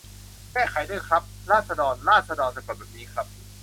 แก้ไขด้วยครับ "ราษฎร" ราด-สะ-ดอน สะกดแบบนี้ครับ